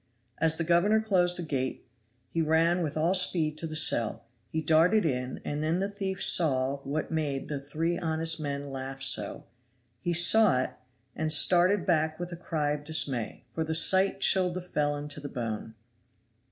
As the governor closed the gate he ran with all speed to the cell, he darted in, and then the thief saw what made the three honest men laugh so. He saw it, and started back with a cry of dismay, for the sight chilled the felon to the bone.